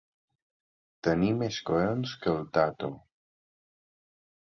Tenir més collons que el Tato.